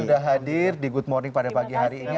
sudah hadir di good morning pada pagi hari ini